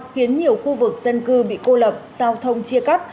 khiến nhiều khu vực dân cư bị cô lập giao thông chia cắt